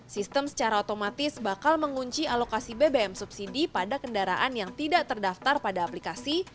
sistem secara otomatis bakal mengunci alokasi bbm subsidi pada kendaraan yang tidak terdaftar pada aplikasi